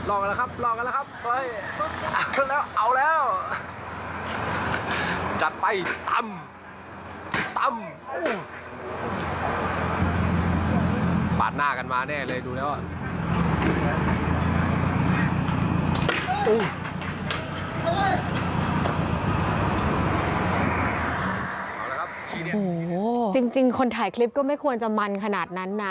เอาละครับจริงคนถ่ายคลิปก็ไม่ควรจะมันขนาดนั้นนะ